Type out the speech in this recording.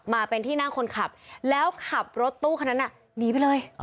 มาเป็นที่นั่งคนขับแล้วขับรถตู้คนนั้นน่ะหนีไปเลย